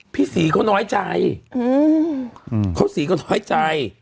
พี่ศรีเขาน้อยใจเขาศรีก็น้อยใจ